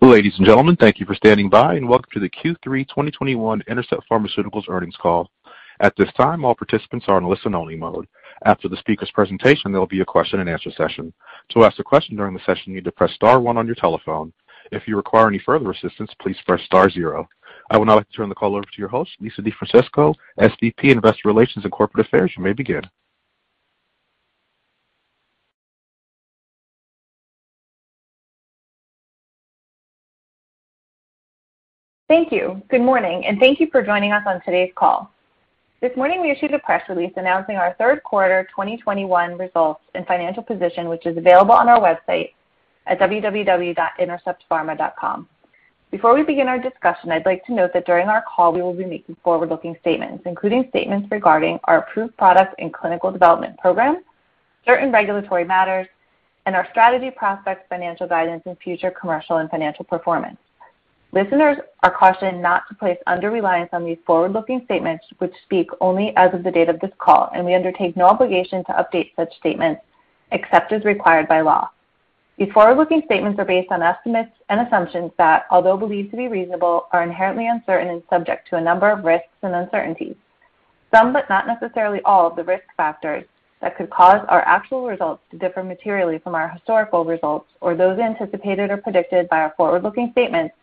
Ladies and gentlemen, thank you for standing by, and welcome to the Q3 2021 Intercept Pharmaceuticals earnings call. At this time, all participants are in listen-only mode. After the speaker's presentation, there'll be a question-and-answer session. To ask a question during the session, you need to press star one on your telephone. If you require any further assistance, please press star zero. I would now like to turn the call over to your host, Lisa DeFrancesco, SVP, Investor Relations and Corporate Affairs. You may begin. Thank you. Good morning, and thank you for joining us on today's call. This morning, we issued a press release announcing our third quarter 2021 results and financial position, which is available on our website at www.interceptpharma.com. Before we begin our discussion, I'd like to note that during our call, we will be making forward-looking statements, including statements regarding our approved products and clinical development program, certain regulatory matters, and our strategy, prospects, financial guidance and future commercial and financial performance. Listeners are cautioned not to place undue reliance on these forward-looking statements which speak only as of the date of this call, and we undertake no obligation to update such statements, except as required by law. These forward-looking statements are based on estimates and assumptions that, although believed to be reasonable, are inherently uncertain and subject to a number of risks and uncertainties. Some, but not necessarily all, of the risk factors that could cause our actual results to differ materially from our historical results or those anticipated or predicted by our forward-looking statements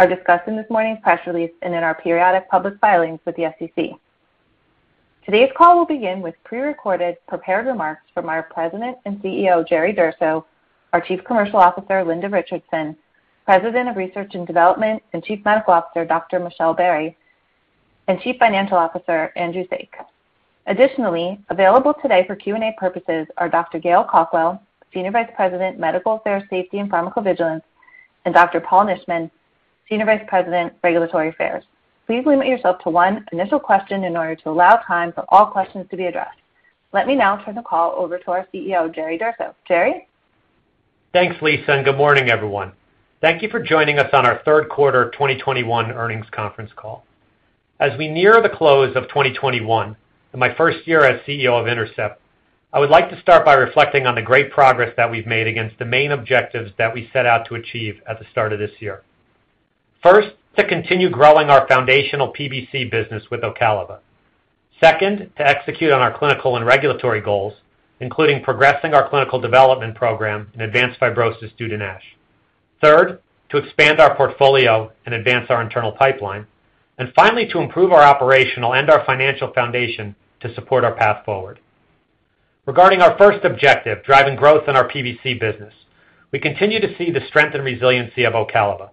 are discussed in this morning's press release and in our periodic public filings with the SEC. Today's call will begin with prerecorded prepared remarks from our President and CEO, Jerry Durso, our Chief Commercial Officer, Linda Richardson, President of Research and Development and Chief Medical Officer, Dr. Michelle Berrey, and Chief Financial Officer, Andrew Saik. Additionally, available today for Q&A purposes are Dr. Gail Cawkwell, Senior Vice President, Medical Affairs, Safety, and Pharmacovigilance, and Dr. Paul Nitschmann, Senior Vice President, Regulatory Affairs. Please limit yourself to one initial question in order to allow time for all questions to be addressed. Let me now turn the call over to our CEO, Jerry Durso. Jerry? Thanks, Lisa, and good morning, everyone. Thank you for joining us on our third quarter 2021 earnings conference call. As we near the close of 2021, and my first year as CEO of Intercept, I would like to start by reflecting on the great progress that we've made against the main objectives that we set out to achieve at the start of this year. First, to continue growing our foundational PBC business with Ocaliva. Second, to execute on our clinical and regulatory goals, including progressing our clinical development program in advanced fibrosis due to NASH. Third, to expand our portfolio and advance our internal pipeline. And finally, to improve our operational and our financial foundation to support our path forward. Regarding our first objective, driving growth in our PBC business, we continue to see the strength and resiliency of Ocaliva.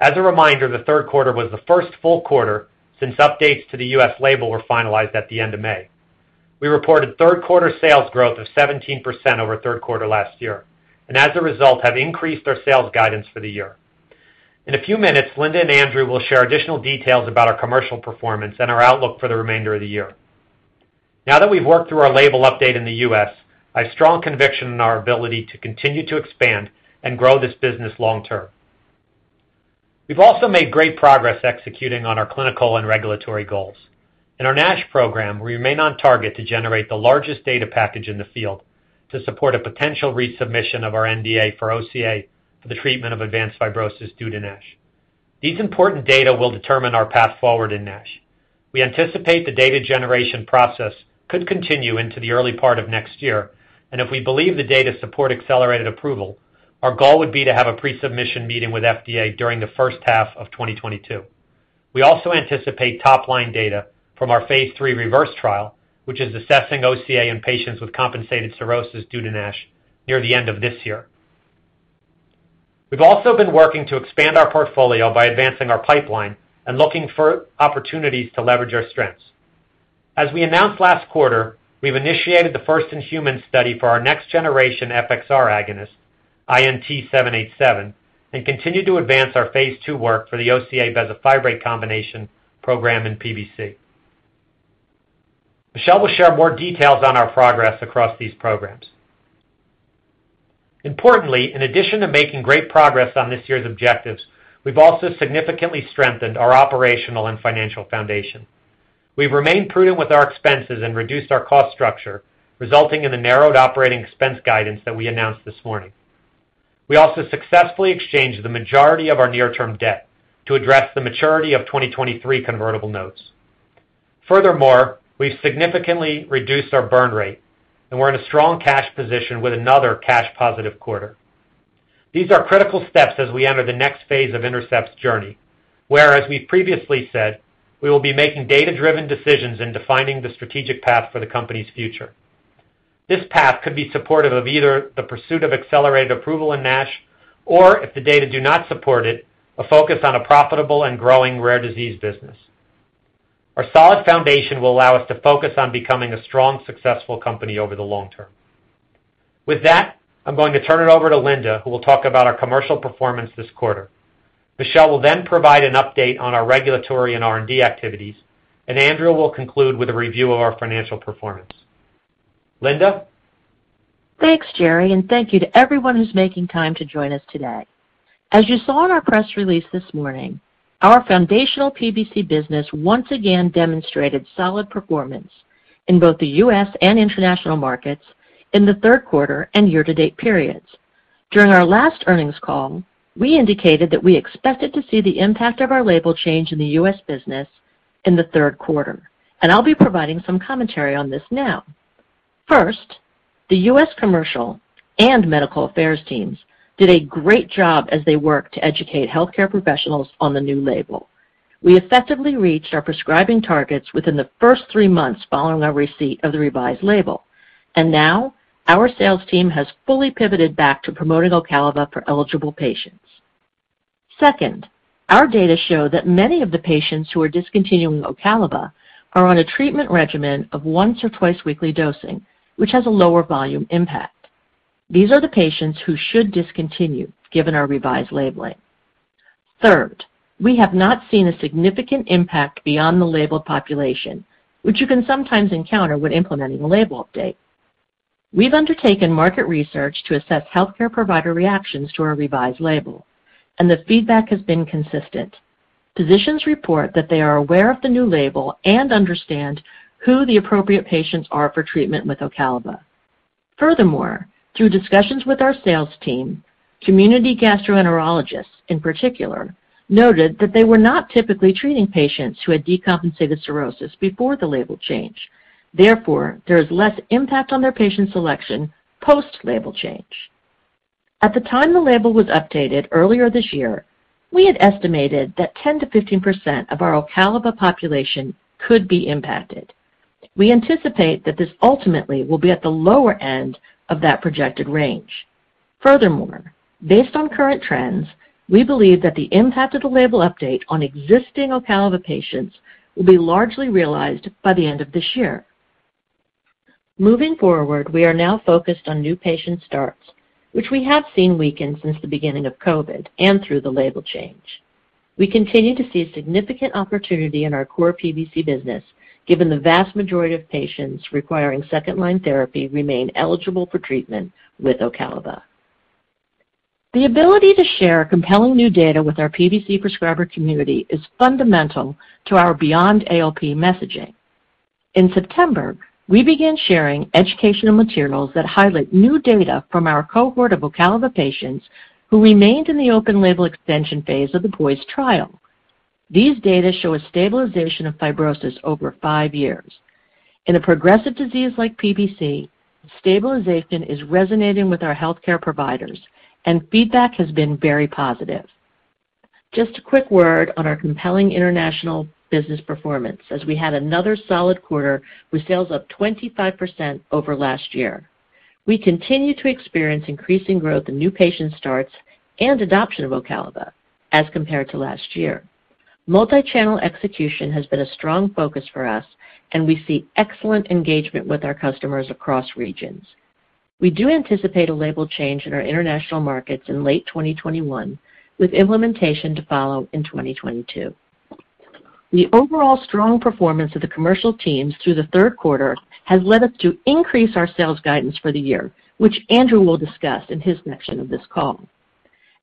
As a reminder, the third quarter was the first full quarter since updates to the U.S. label were finalized at the end of May. We reported third quarter sales growth of 17% over third quarter last year, and as a result, have increased our sales guidance for the year. In a few minutes, Linda and Andrew will share additional details about our commercial performance and our outlook for the remainder of the year. Now that we've worked through our label update in the U.S., I have strong conviction in our ability to continue to expand and grow this business long term. We've also made great progress executing on our clinical and regulatory goals. In our NASH program, we remain on target to generate the largest data package in the field to support a potential resubmission of our NDA for OCA for the treatment of advanced fibrosis due to NASH. These important data will determine our path forward in NASH. We anticipate the data generation process could continue into the early part of next year, and if we believe the data support accelerated approval, our goal would be to have a pre-submission meeting with FDA during the first half of 2022. We also anticipate top-line data from our phase III REVERSE trial, which is assessing OCA in patients with compensated cirrhosis due to NASH near the end of this year. We've also been working to expand our portfolio by advancing our pipeline and looking for opportunities to leverage our strengths. As we announced last quarter, we've initiated the first-in-human study for our next-generation FXR agonist, INT-787, and continue to advance our phase II work for the OCA bezafibrate combination program in PBC. Michelle will share more details on our progress across these programs. Importantly, in addition to making great progress on this year's objectives, we've also significantly strengthened our operational and financial foundation. We've remained prudent with our expenses and reduced our cost structure, resulting in the narrowed operating expense guidance that we announced this morning. We also successfully exchanged the majority of our near-term debt to address the maturity of 2023 convertible notes. Furthermore, we've significantly reduced our burn rate, and we're in a strong cash position with another cash positive quarter. These are critical steps as we enter the next phase of Intercept's journey. Where, as we've previously said, we will be making data-driven decisions in defining the strategic path for the company's future. This path could be supportive of either the pursuit of accelerated approval in NASH or, if the data do not support it, a focus on a profitable and growing rare disease business. Our solid foundation will allow us to focus on becoming a strong, successful company over the long term. With that, I'm going to turn it over to Linda, who will talk about our commercial performance this quarter. Michelle will then provide an update on our regulatory and R&D activities, and Andrew will conclude with a review of our financial performance. Linda? Thanks, Jerry, and thank you to everyone who's making time to join us today. As you saw in our press release this morning, our foundational PBC business once again demonstrated solid performance. In both the U.S. and international markets in the third quarter and year to date periods. During our last earnings call, we indicated that we expected to see the impact of our label change in the U.S. business in the third quarter, and I'll be providing some commentary on this now. First, the U.S. commercial and medical affairs teams did a great job as they worked to educate healthcare professionals on the new label. We effectively reached our prescribing targets within the first three months following our receipt of the revised label. Now our sales team has fully pivoted back to promoting Ocaliva for eligible patients. Second, our data show that many of the patients who are discontinuing Ocaliva are on a treatment regimen of once or twice-weekly dosing, which has a lower volume impact. These are the patients who should discontinue given our revised labeling. Third, we have not seen a significant impact beyond the labeled population, which you can sometimes encounter when implementing a label update. We've undertaken market research to assess healthcare provider reactions to our revised label, and the feedback has been consistent. Physicians report that they are aware of the new label and understand who the appropriate patients are for treatment with Ocaliva. Furthermore, through discussions with our sales team, community gastroenterologists, in particular, noted that they were not typically treating patients who had decompensated cirrhosis before the label change. Therefore, there is less impact on their patient selection post-label change. At the time the label was updated earlier this year, we had estimated that 10%-15% of our Ocaliva population could be impacted. We anticipate that this ultimately will be at the lower end of that projected range. Furthermore, based on current trends, we believe that the impact of the label update on existing Ocaliva patients will be largely realized by the end of this year. Moving forward, we are now focused on new patient starts, which we have seen weaken since the beginning of COVID and through the label change. We continue to see significant opportunity in our core PBC business, given the vast majority of patients requiring second line therapy remain eligible for treatment with Ocaliva. The ability to share compelling new data with our PBC prescriber community is fundamental to our beyond ALP messaging. In September, we began sharing educational materials that highlight new data from our cohort of Ocaliva patients who remained in the open-label extension phase of the POISE trial. These data show a stabilization of fibrosis over five years. In a progressive disease like PBC, stabilization is resonating with our healthcare providers, and feedback has been very positive. Just a quick word on our compelling international business performance as we had another solid quarter with sales up 25% over last year. We continue to experience increasing growth in new patient starts and adoption of Ocaliva as compared to last year. Multi-channel execution has been a strong focus for us, and we see excellent engagement with our customers across regions. We do anticipate a label change in our international markets in late 2021, with implementation to follow in 2022. The overall strong performance of the commercial teams through the third quarter has led us to increase our sales guidance for the year, which Andrew will discuss in his section of this call.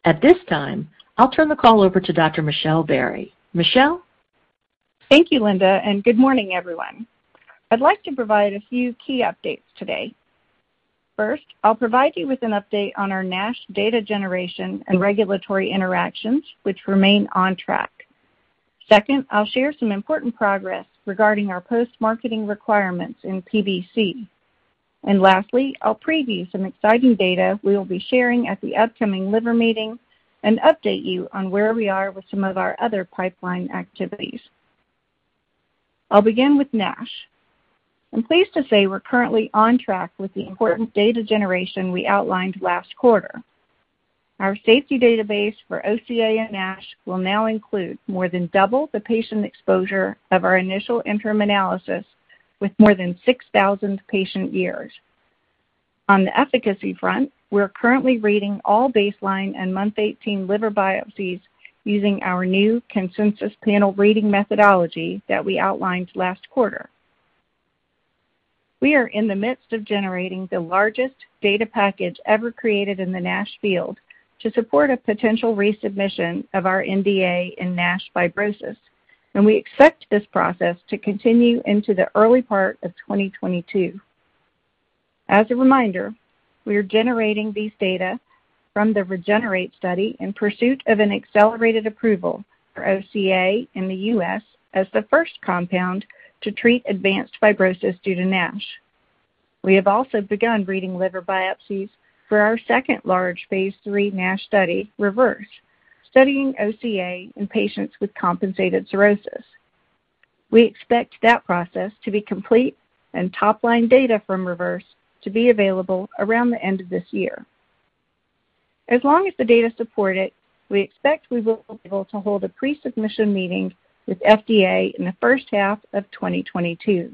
At this time, I'll turn the call over to Dr. Michelle Berrey. Michelle? Thank you, Linda, and good morning, everyone. I'd like to provide a few key updates today. First, I'll provide you with an update on our NASH data generation and regulatory interactions, which remain on track. Second, I'll share some important progress regarding our post-marketing requirements in PBC. Lastly, I'll preview some exciting data we will be sharing at the upcoming Liver Meeting and update you on where we are with some of our other pipeline activities. I'll begin with NASH. I'm pleased to say we're currently on track with the important data generation we outlined last quarter. Our safety database for OCA in NASH will now include more than double the patient exposure of our initial interim analysis with more than 6,000 patient years. On the efficacy front, we're currently reading all baseline and month 18 liver biopsies using our new consensus panel reading methodology that we outlined last quarter. We are in the midst of generating the largest data package ever created in the NASH field to support a potential resubmission of our NDA in NASH fibrosis, and we expect this process to continue into the early part of 2022. As a reminder, we are generating these data from the REGENERATE study in pursuit of an accelerated approval for OCA in the U.S. as the first compound to treat advanced fibrosis due to NASH. We have also begun reading liver biopsies for our second large phase III NASH study, REVERSE, studying OCA in patients with compensated cirrhosis. We expect that process to be complete and top-line data from REVERSE to be available around the end of this year. As long as the data support it, we expect we will be able to hold a pre-submission meeting with FDA in the first half of 2022.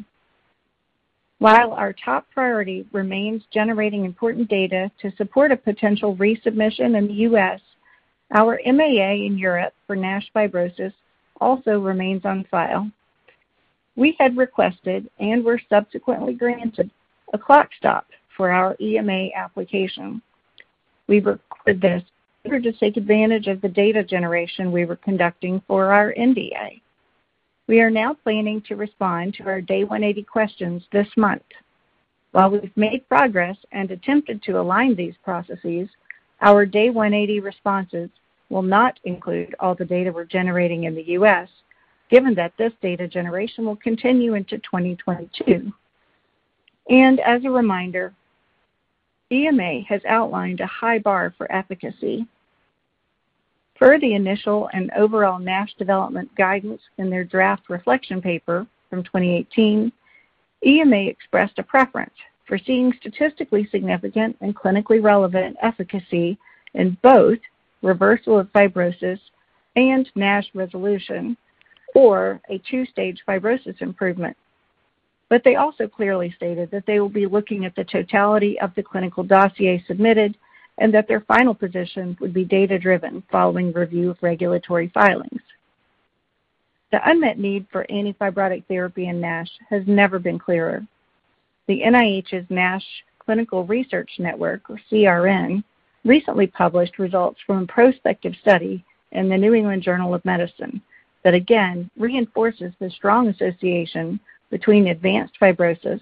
While our top priority remains generating important data to support a potential resubmission in the U.S., our MAA in Europe for NASH fibrosis also remains on file. We had requested and were subsequently granted a clock stop for our EMA application. We recorded this in order to take advantage of the data generation we were conducting for our NDA. We are now planning to respond to our Day 180 questions this month. While we've made progress and attempted to align these processes, our Day 180 responses will not include all the data we're generating in the U.S. given that this data generation will continue into 2022. As a reminder, EMA has outlined a high bar for efficacy. Per the initial and overall NASH development guidance in their draft reflection paper from 2018, EMA expressed a preference for seeing statistically significant and clinically relevant efficacy in both reversal of fibrosis and NASH resolution or a two-stage fibrosis improvement. They also clearly stated that they will be looking at the totality of the clinical dossier submitted and that their final positions would be data-driven following review of regulatory filings. The unmet need for antifibrotic therapy in NASH has never been clearer. The NIH's NASH Clinical Research Network, or CRN, recently published results from a prospective study in the New England Journal of Medicine that again reinforces the strong association between advanced fibrosis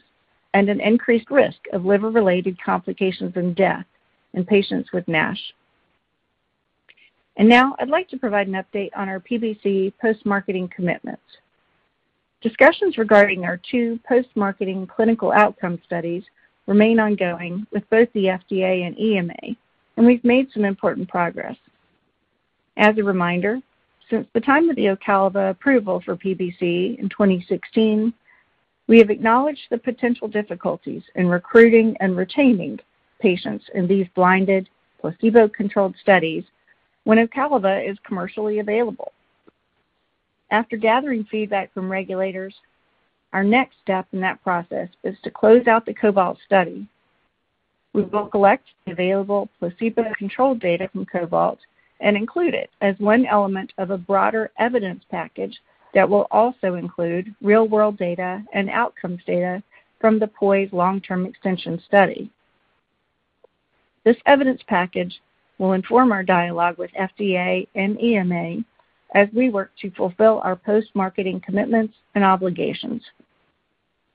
and an increased risk of liver-related complications and death in patients with NASH. Now I'd like to provide an update on our PBC post-marketing commitments. Discussions regarding our two post-marketing clinical outcome studies remain ongoing with both the FDA and EMA, and we've made some important progress. As a reminder, since the time of the Ocaliva approval for PBC in 2016, we have acknowledged the potential difficulties in recruiting and retaining patients in these blinded placebo-controlled studies when Ocaliva is commercially available. After gathering feedback from regulators, our next step in that process is to close out the COBALT study. We will collect the available placebo-controlled data from COBALT and include it as one element of a broader evidence package that will also include real-world data and outcomes data from the POISE long-term extension study. This evidence package will inform our dialogue with FDA and EMA as we work to fulfill our post-marketing commitments and obligations.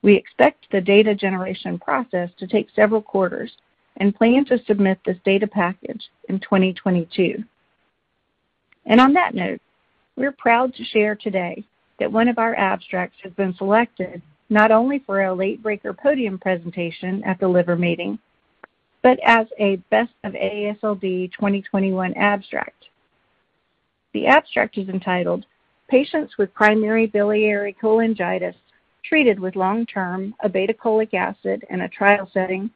We expect the data generation process to take several quarters and plan to submit this data package in 2022. On that note, we're proud to share today that one of our abstracts has been selected not only for a late-breaker podium presentation at the Liver Meeting, but as a best of AASLD 2021 abstract. The abstract is entitled "Patients with primary biliary cholangitis treated with long-term obeticholic acid in a trial setting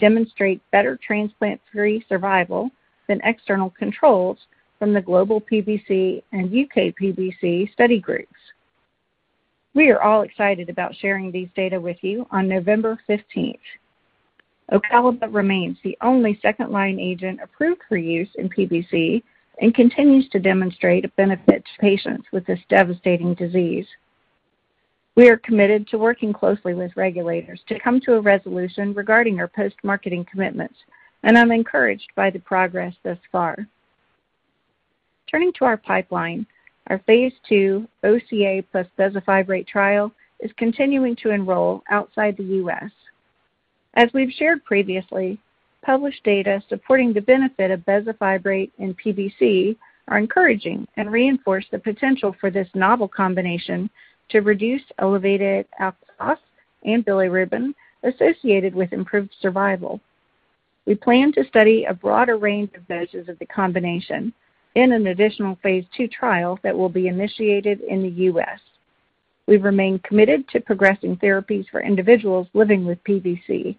demonstrate better transplant-free survival than external controls from the Global PBC and UK-PBC Study Groups." We are all excited about sharing these data with you on November 15. Ocaliva remains the only second-line agent approved for use in PBC and continues to demonstrate a benefit to patients with this devastating disease. We are committed to working closely with regulators to come to a resolution regarding our post-marketing commitments, and I'm encouraged by the progress thus far. Turning to our pipeline, our phase II OCA plus bezafibrate trial is continuing to enroll outside the U.S. As we've shared previously, published data supporting the benefit of bezafibrate in PBC are encouraging and reinforce the potential for this novel combination to reduce elevated alk phos and bilirubin associated with improved survival. We plan to study a broader range of doses of the combination in an additional phase II trial that will be initiated in the U.S. We remain committed to progressing therapies for individuals living with PBC.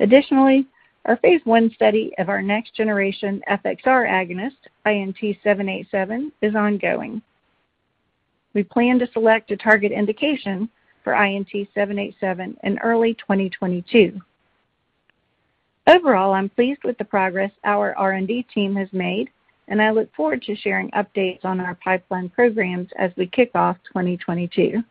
Additionally, our phase I study of our next-generation FXR agonist, INT-787, is ongoing. We plan to select a target indication for INT-787 in early 2022. Overall, I'm pleased with the progress our R&D team has made, and I look forward to sharing updates on our pipeline programs as we kick off 2022.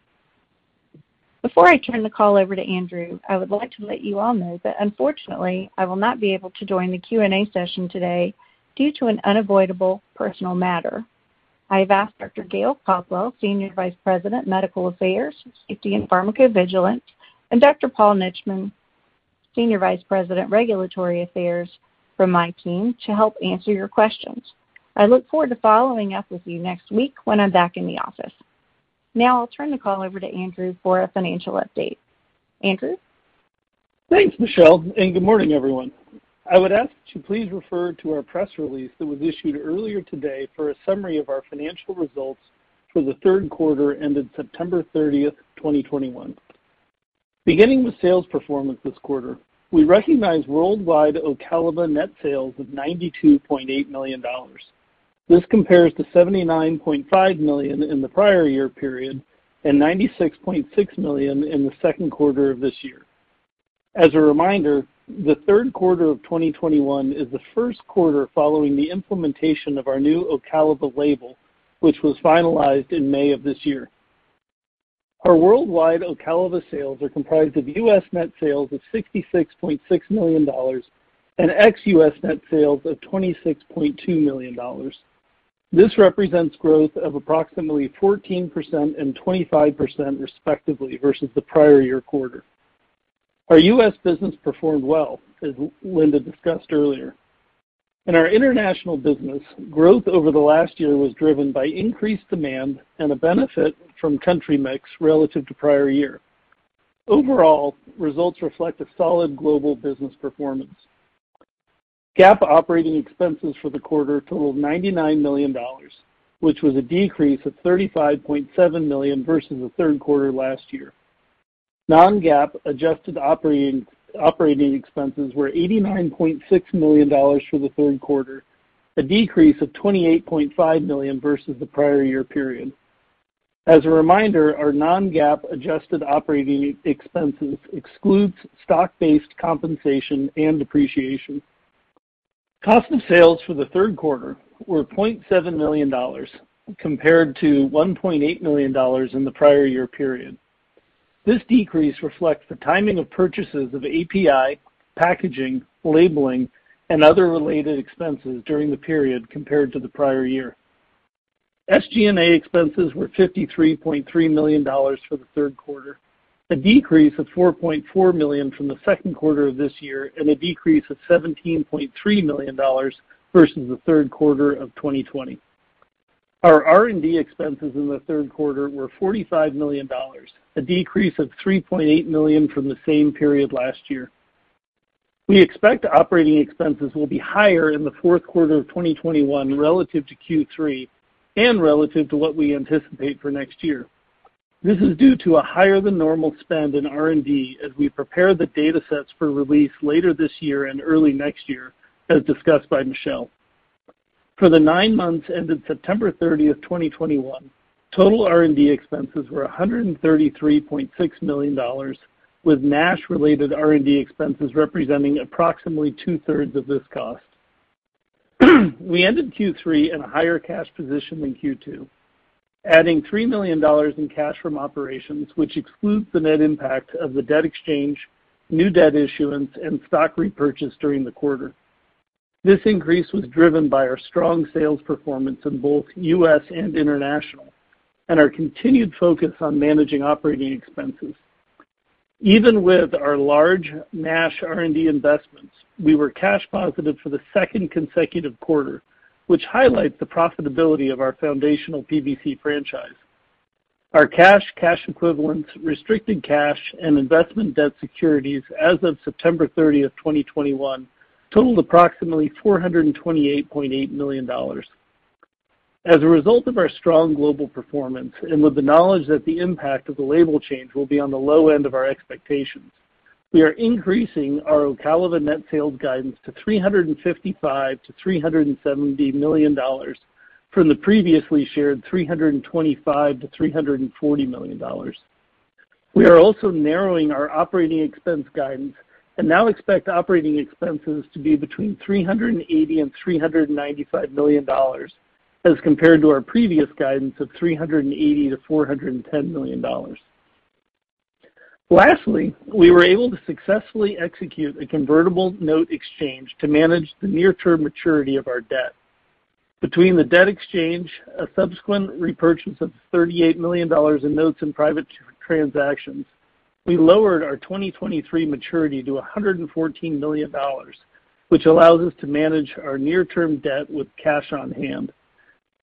Before I turn the call over to Andrew, I would like to let you all know that unfortunately I will not be able to join the Q&A session today due to an unavoidable personal matter. I have asked Dr. Gail Cawkwell, Senior Vice President, Medical Affairs, Safety & Pharmacovigilance, and Dr. Paul Nitschmann, Senior Vice President, Regulatory Affairs, from my team to help answer your questions. I look forward to following up with you next week when I'm back in the office. Now I'll turn the call over to Andrew for a financial update. Andrew? Thanks, Michelle, and good morning, everyone. I would ask that you please refer to our press release that was issued earlier today for a summary of our financial results for the third quarter ended September 30, 2021. Beginning with sales performance this quarter, we recognized worldwide Ocaliva net sales of $92.8 million. This compares to $79.5 million in the prior year period and $96.6 million in the second quarter of this year. As a reminder, the third quarter of 2021 is the first quarter following the implementation of our new Ocaliva label, which was finalized in May of this year. Our worldwide Ocaliva sales are comprised of U.S. net sales of $66.6 million and ex-U.S. net sales of $26.2 million. This represents growth of approximately 14% and 25% respectively versus the prior year quarter. Our U.S. business performed well, as Linda discussed earlier. In our international business, growth over the last year was driven by increased demand and a benefit from country mix relative to prior year. Overall, results reflect a solid global business performance. GAAP operating expenses for the quarter totaled $99 million, which was a decrease of $35.7 million versus the third quarter last year. Non-GAAP adjusted operating expenses were $89.6 million for the third quarter, a decrease of $28.5 million versus the prior year period. As a reminder, our non-GAAP adjusted operating expenses excludes stock-based compensation and depreciation. Cost of sales for the third quarter were $0.7 million compared to $1.8 million in the prior year period. This decrease reflects the timing of purchases of API, packaging, labeling and other related expenses during the period compared to the prior year. SG&A expenses were $53.3 million for the third quarter, a decrease of $4.4 million from the second quarter of this year, and a decrease of $17.3 million versus the third quarter of 2020. Our R&D expenses in the third quarter were $45 million, a decrease of $3.8 million from the same period last year. We expect operating expenses will be higher in the fourth quarter of 2021 relative to Q3 and relative to what we anticipate for next year. This is due to a higher than normal spend in R&D as we prepare the data sets for release later this year and early next year, as discussed by Michelle. For the nine months ended September 30, 2021, total R&D expenses were $133.6 million, with NASH-related R&D expenses representing approximately two-thirds of this cost. We ended Q3 in a higher cash position than Q2, adding $3 million in cash from operations, which excludes the net impact of the debt exchange, new debt issuance and stock repurchase during the quarter. This increase was driven by our strong sales performance in both U.S. and international and our continued focus on managing operating expenses. Even with our large NASH R&D investments, we were cash positive for the second consecutive quarter, which highlights the profitability of our foundational PBC franchise. Our cash equivalents, restricted cash and investments, debt securities as of September 30, 2021 totaled approximately $428.8 million. As a result of our strong global performance and with the knowledge that the impact of the label change will be on the low end of our expectations, we are increasing our Ocaliva net sales guidance to $355 million-$370 million from the previously shared $325 million-$340 million. We are also narrowing our operating expense guidance and now expect operating expenses to be between $380 million and $395 million as compared to our previous guidance of $380 million-$410 million. Lastly, we were able to successfully execute a convertible note exchange to manage the near term maturity of our debt. Between the debt exchange, a subsequent repurchase of $38 million in notes and private transactions, we lowered our 2023 maturity to $114 million, which allows us to manage our near term debt with cash on hand.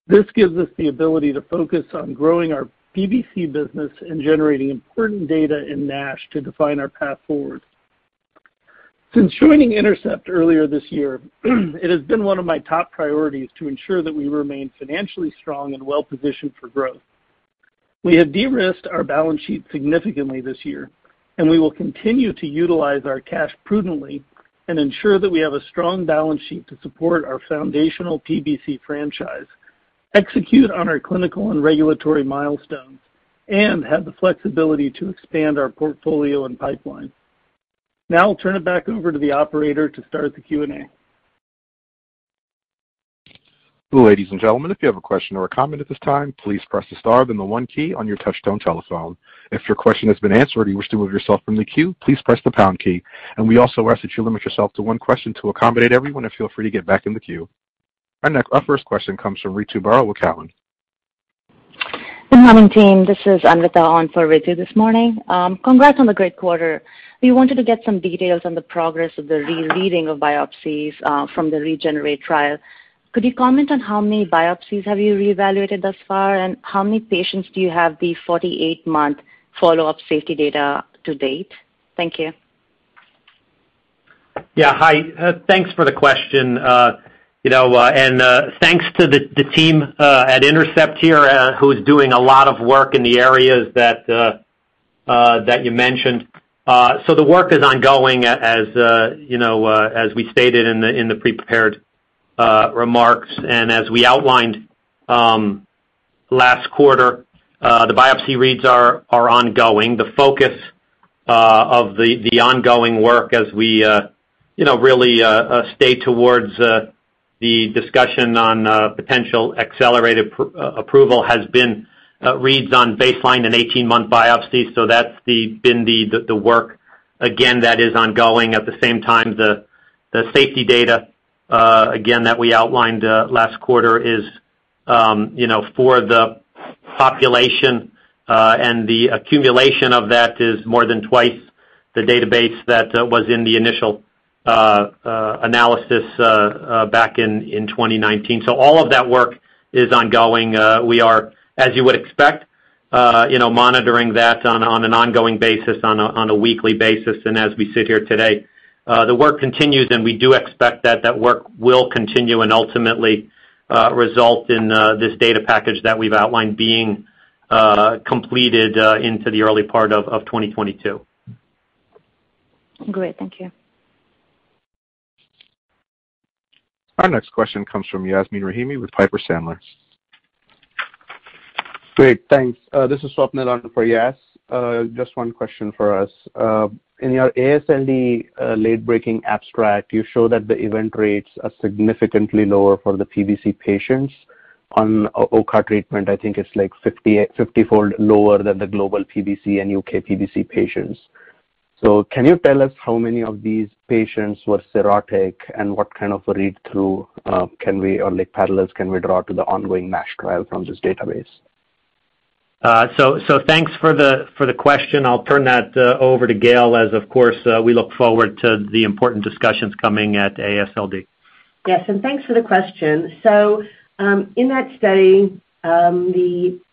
This gives us the ability to focus on growing our PBC business and generating important data in NASH to define our path forward. Since joining Intercept earlier this year, it has been one of my top priorities to ensure that we remain financially strong and well positioned for growth. We have de-risked our balance sheet significantly this year, and we will continue to utilize our cash prudently and ensure that we have a strong balance sheet to support our foundational PBC franchise, execute on our clinical and regulatory milestones, and have the flexibility to expand our portfolio and pipeline. Now I'll turn it back over to the operator to start the Q&A. Ladies and gentlemen, if you have a question or a comment at this time, please press the star then the one key on your touchtone telephone. If your question has been answered or you wish to remove yourself from the queue, please press the pound key, and we also ask that you limit yourself to one question to accommodate everyone and feel free to get back in the queue. Our first question comes from Ritu Baral with Cowen. Good morning, team. This is Anvita on for Ritu this morning. Congrats on the great quarter. We wanted to get some details on the progress of the rereading of biopsies from the REGENERATE trial. Could you comment on how many biopsies have you reevaluated thus far, and how many patients do you have the 48-month follow-up safety data to date? Thank you. Yeah. Hi. Thanks for the question. You know, and thanks to the team at Intercept here, who's doing a lot of work in the areas that you mentioned. So the work is ongoing as you know, as we stated in the pre-prepared remarks and as we outlined last quarter, the biopsy reads are ongoing. The focus of the ongoing work as we, you know, really stay towards the discussion on potential accelerated approval has been reads on baseline and 18-month biopsy. So that's been the work again that is ongoing. At the same time, the safety data again that we outlined last quarter is, you know, for the population, and the accumulation of that is more than twice the database that was in the initial analysis back in 2019. All of that work is ongoing. We are, as you would expect, you know, monitoring that on an ongoing basis on a weekly basis. As we sit here today, the work continues, and we do expect that work will continue and ultimately result in this data package that we've outlined being completed into the early part of 2022. Great. Thank you. Our next question comes from Yasmeen Rahimi with Piper Sandler. Great. Thanks. This is Swapnil on for Yasmeen. Just one question for us. In your AASLD late-breaking abstract, you show that the event rates are significantly lower for the PBC patients on Ocaliva treatment. I think it's like 50-fold lower than the global PBC and UK-PBC patients. Can you tell us how many of these patients were cirrhotic? And what kind of a read-through or parallels can we draw to the ongoing NASH trial from this database? Thanks for the question. I'll turn that over to Gail as, of course, we look forward to the important discussions coming at AASLD. Yes, thanks for the question. In that study,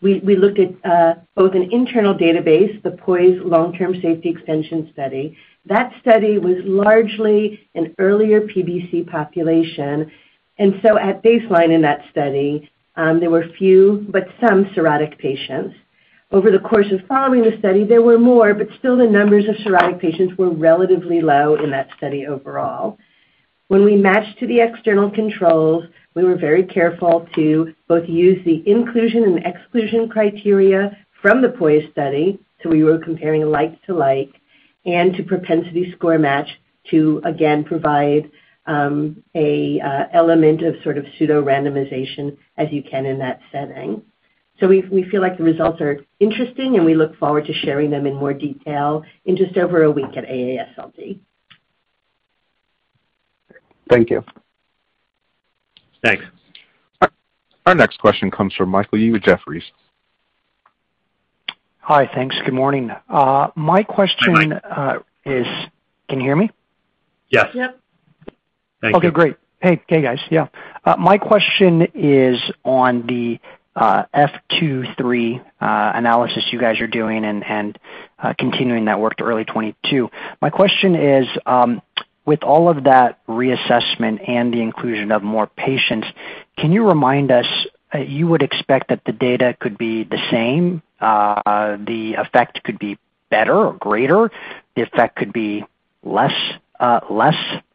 we looked at both an internal database, the POISE long-term safety extension study. That study was largely an earlier PBC population. At baseline in that study, there were few, but some cirrhotic patients. Over the course of following the study, there were more, but still the numbers of cirrhotic patients were relatively low in that study overall. When we matched to the external controls, we were very careful to both use the inclusion and exclusion criteria from the POISE study, so we were comparing like to like, and to propensity score match to again provide a element of sort of pseudo-randomization as you can in that setting. We feel like the results are interesting, and we look forward to sharing them in more detail in just over a week at AASLD. Thank you. Thanks. Our next question comes from Michael Yee with Jefferies. Hi. Thanks. Good morning. My question is, can you hear me? Yes. Yep. Thank you. Okay, great. Hey. Okay, guys. Yeah. My question is on the F2, 3 analysis you guys are doing and continuing that work to early 2022. My question is, with all of that reassessment and the inclusion of more patients, can you remind us, you would expect that the data could be the same, the effect could be better or greater, the effect could be less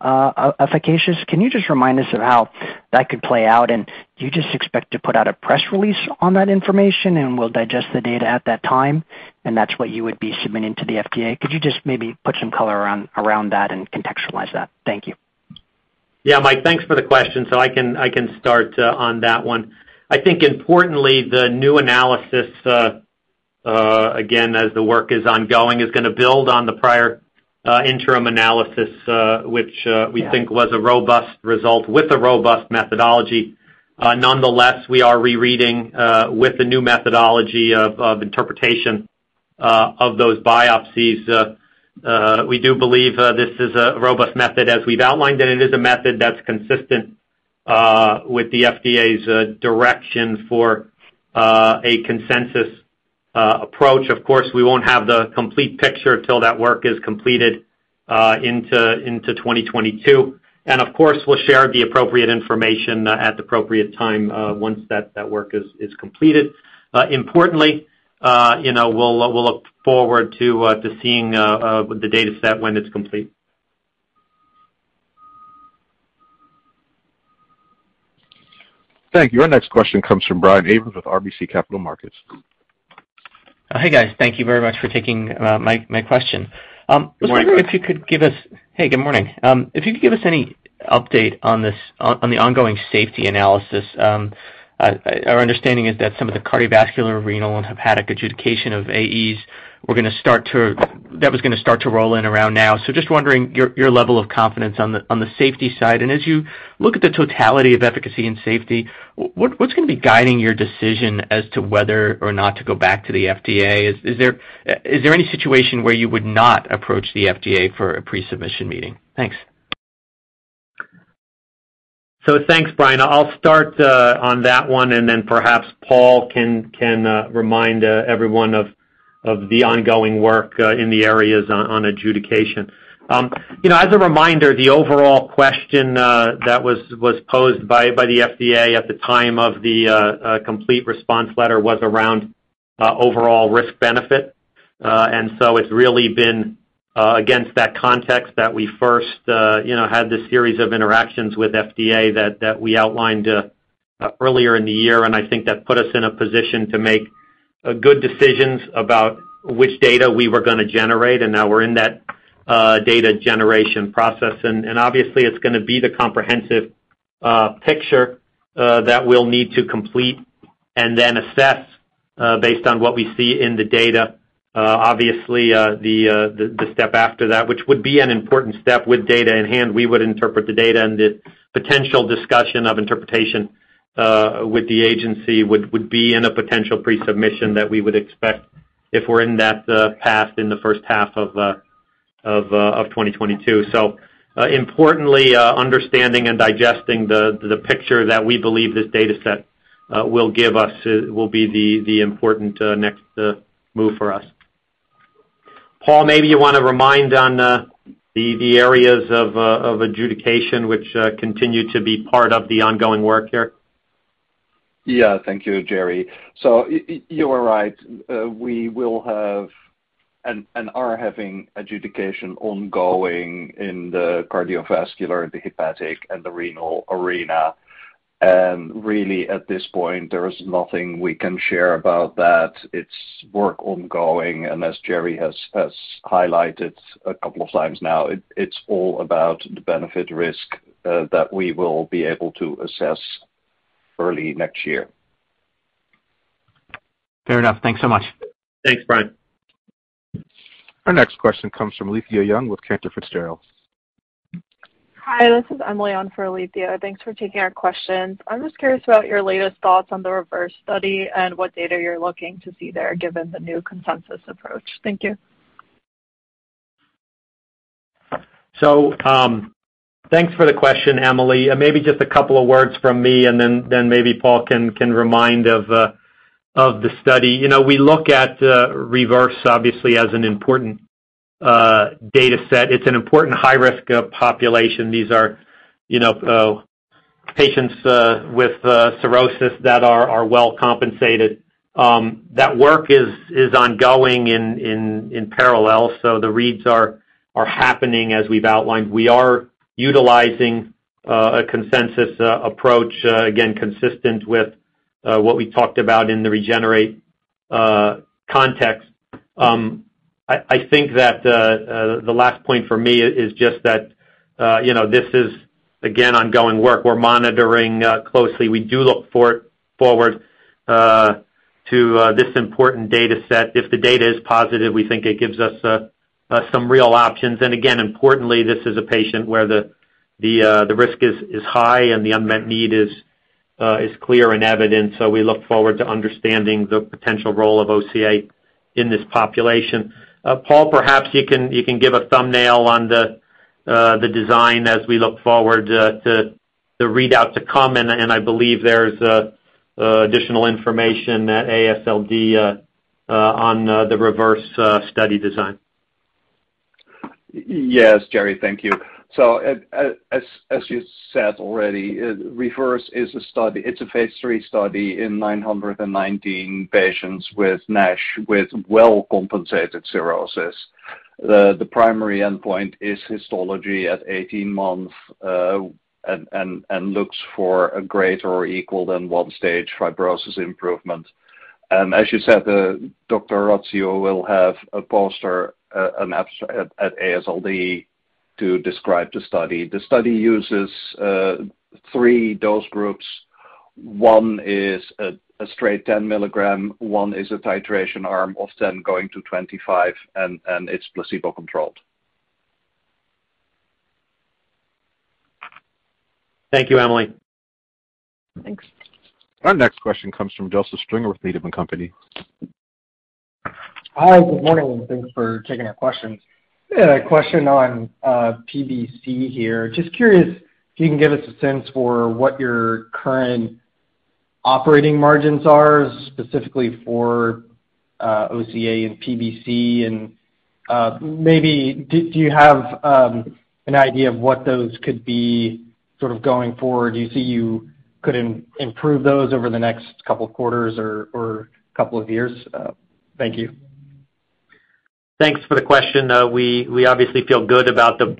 efficacious? Can you just remind us of how that could play out, and you just expect to put out a press release on that information, and we'll digest the data at that time, and that's what you would be submitting to the FDA? Could you just maybe put some color around that and contextualize that? Thank you. Yeah. Mike, thanks for the question, so I can start on that one. I think importantly, the new analysis, again, as the work is ongoing, is gonna build on the prior, interim analysis, which we think was a robust result with a robust methodology. Nonetheless, we are rereading with the new methodology of interpretation of those biopsies. We do believe this is a robust method as we've outlined, and it is a method that's consistent with the FDA's direction for a consensus approach. Of course, we won't have the complete picture till that work is completed into 2022. Of course, we'll share the appropriate information at the appropriate time once that work is completed. Importantly, you know, we'll look forward to seeing the dataset when it's complete. Thank you. Our next question comes from Brian Abrahams with RBC Capital Markets. Hey, guys. Thank you very much for taking my question. Good morning. I was wondering if you could give us... Hey, good morning. If you could give us any update on the ongoing safety analysis. Our understanding is that some of the cardiovascular, renal, and hepatic adjudication of AEs was gonna start to roll in around now. So just wondering your level of confidence on the safety side. As you look at the totality of efficacy and safety, what's gonna be guiding your decision as to whether or not to go back to the FDA? Is there any situation where you would not approach the FDA for a pre-submission meeting? Thanks. Thanks, Brian. I'll start on that one, and then perhaps Paul can remind everyone of the ongoing work in the areas on adjudication. You know, as a reminder, the overall question that was posed by the FDA at the time of the complete response letter was around overall risk-benefit. It's really been against that context that we first you know had this series of interactions with FDA that we outlined earlier in the year, and I think that put us in a position to make good decisions about which data we were gonna generate, and now we're in that data generation process. Obviously, it's gonna be the comprehensive picture that we'll need to complete and then assess based on what we see in the data. Obviously, the step after that, which would be an important step with data in hand, we would interpret the data and the potential discussion of interpretation with the agency would be in a potential pre-submission that we would expect if we're in that path in the first half of 2022. Importantly, understanding and digesting the picture that we believe this data set will give us will be the important next move for us. Paul, maybe you wanna remind on the areas of adjudication which continue to be part of the ongoing work here. Yeah. Thank you, Jerry. You are right. We will have and are having adjudication ongoing in the cardiovascular, the hepatic, and the renal arena. Really, at this point, there is nothing we can share about that. It's work ongoing, and as Jerry has highlighted a couple of times now, it's all about the benefit-risk that we will be able to assess early next year. Fair enough. Thanks so much. Thanks, Brian. Our next question comes from Alethia Young with Cantor Fitzgerald. Hi, this is Emily on for Alethia. Thanks for taking our questions. I'm just curious about your latest thoughts on the REVERSE study, and what data you're looking to see there, given the new consensus approach. Thank you. Thanks for the question, Emily. Maybe just a couple of words from me, and then maybe Paul can remind of the study. You know, we look at REVERSE obviously as an important data set. It's an important high-risk population. These are, you know, patients with cirrhosis that are well compensated. That work is ongoing in parallel, so the reads are happening as we've outlined. We are utilizing a consensus approach again, consistent with what we talked about in the REGENERATE context. I think that the last point for me is just that, you know, this is again ongoing work. We're monitoring closely. We do look forward to this important data set. If the data is positive, we think it gives us some real options. Again, importantly, this is a patient where the risk is high and the unmet need is clear and evident, so we look forward to understanding the potential role of OCA in this population. Paul, perhaps you can give a thumbnail on the design as we look forward to the readout to come and I believe there's additional information at AASLD on the REVERSE study design. Yes, Jerry. Thank you. As you said already, REVERSE is a study. It's a phase III study in 919 patients with NASH with well-compensated cirrhosis. The primary endpoint is histology at 18 months and looks for a greater or equal than one stage fibrosis improvement. As you said, Dr. Ratziu will have a poster, an abstract at AASLD to describe the study. The study uses three dose groups. One is a straight 10 mg, one is a titration arm of 10 going to 25, and it's placebo-controlled. Thank you, Emily. Thanks. Our next question comes from Joseph Stringer with Needham & Company. Hi. Good morning, and thanks for taking our questions. Yeah, a question on PBC here. Just curious if you can give us a sense for what your current operating margins are specifically for OCA and PBC. Maybe do you have an idea of what those could be sort of going forward? Do you see you could improve those over the next couple quarters or couple of years? Thank you. Thanks for the question. We obviously feel good about the